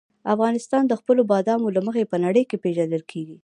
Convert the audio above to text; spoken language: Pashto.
افغانستان د خپلو بادامو له مخې په نړۍ کې پېژندل کېږي.